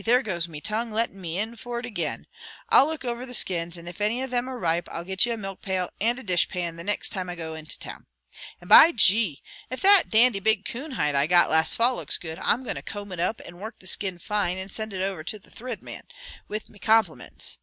"There goes me tongue, lettin' me in for it again. I'll look over the skins, and if any of thim are ripe, I'll get you a milk pail and a dishpan the nixt time I go to town. And, by gee! If that dandy big coon hide I got last fall looks good, I'm going to comb it up, and work the skin fine, and send it to the Thrid Man, with me complimints.